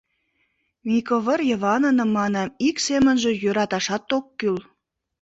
— Микывыр Йываныным, манам, ик семынже йӧрташат ок кӱл.